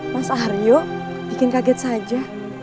mas aryo bikin kaget saja